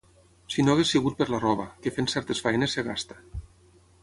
Si no hagués sigut per la roba, que fent certes feines es gasta